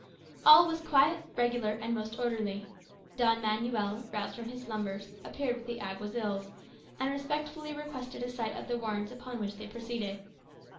All was quiet, regular, and most orderly. Don Manuel, roused from his slumbers, appeared with the Alguazils, and respectfully requested a sight of the warrant upon which they proceeded.